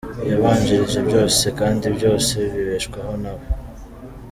Yabanjirije byose kandi byose bibeshwaho na we.